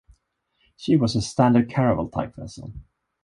She was a standard caravel-type vessel.